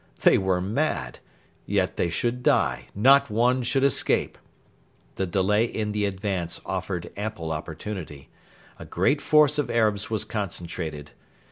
They were mad; yet they should die; not one should escape. The delay in the advance offered ample opportunity. A great force of Arabs was concentrated.